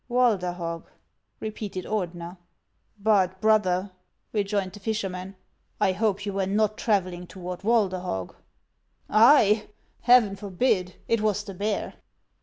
" Walderhog .'" repeated Ordener. " But, brother," rejoined the fisherman ;" I hope you were not travelling toward Walderhog." " I ! Heaven forbid ; it was the bear."